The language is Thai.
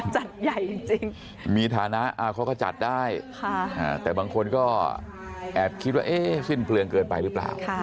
จัดใหญ่จริงมีฐานะเขาก็จัดได้แต่บางคนก็แอบคิดว่าเอ๊ะสิ้นเปลืองเกินไปหรือเปล่า